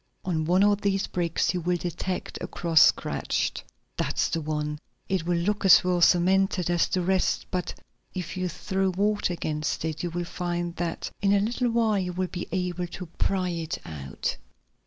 On one of these bricks you will detect a cross scratched. That's the one. It will look as well cemented as the rest, but if you throw water against it, you will find that in a little while you will be able to pry it out.